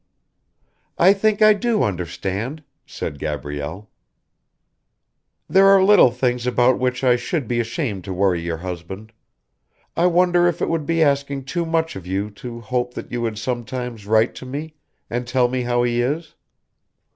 "I think I do understand," said Gabrielle. "There are little things about which I should be ashamed to worry your husband. I wonder if it would be asking too much of you to hope that you would sometimes write to me, and tell me how he is?